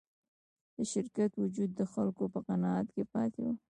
د شرکت وجود د خلکو په قناعت کې پاتې و.